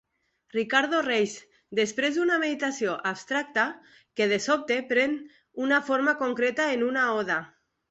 Ricardo Reis, després d'una meditació abstracta, que de sobte pren una forma concreta en una oda.